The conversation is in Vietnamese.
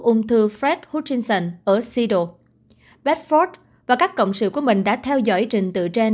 ung thư fred hutchinson ở seattle bedford và các cộng sự của mình đã theo dõi trình tự gen